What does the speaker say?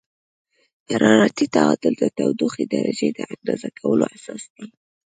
حرارتي تعادل د تودوخې درجې د اندازه کولو اساس دی.